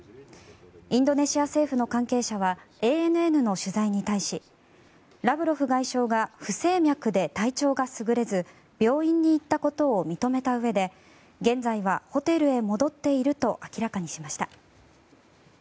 インドネシア政府の関係者はＡＮＮの取材に対しラブロフ外相が不整脈で体調が優れず病院に行ったことを認めたうえで現在はホテルへ戻っていると明らかにしました。